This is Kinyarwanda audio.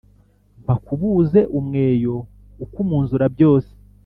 mpakubuze umweyo ukumunzura byose.